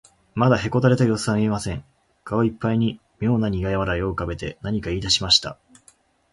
まだへこたれたようすは見えません。顔いっぱいにみょうなにが笑いをうかべて、何かいいだしました。